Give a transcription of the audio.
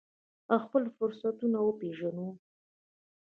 او خپل فرصتونه وپیژنو.